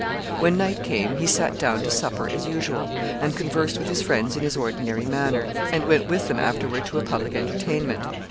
When night came he sat down to supper as usual, and conversed with his friends in his ordinary manner, and went with them afterward to a public entertainment.